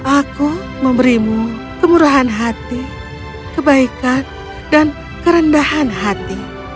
aku memberimu kemurahan hati kebaikan dan kerendahan hati